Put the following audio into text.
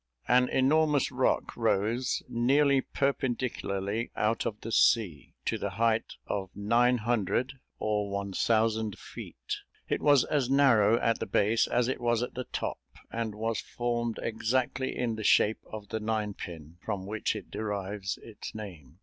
An enormous rock rose, nearly perpendicularly, out of the sea, to the height of nine hundred or one thousand feet. It was as narrow at the base as it was at the top, and was formed exactly in the shape of the nine pin, from which, it derives its name.